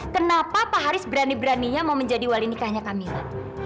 kenapa pak haris berani beraninya mau menjadi wali nikahnya kami mbak